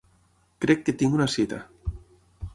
Crec que tinc una cita.